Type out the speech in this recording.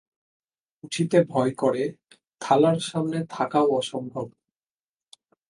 উঠিতে ভয় করে, থালার সামনে থাকাও অসম্ভব।